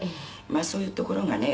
「まあそういうところがね」